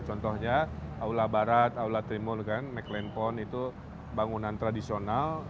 contohnya aula barat aula trimul meklenpon itu bangunan tradisional